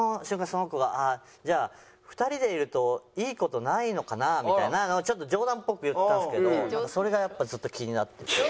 その子が「あっじゃあ２人でいるといい事ないのかな」みたいなのをちょっと冗談っぽく言ったんですけどそれがやっぱずっと気になってて。